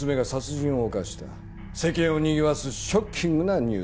世間をにぎわすショッキングなニュースだ。